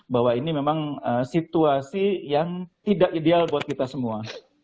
bahwa ini memang situasi yang tidak ideal buat kita semua